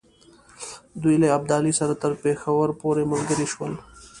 دوی له ابدالي سره تر پېښور پوري ملګري شول.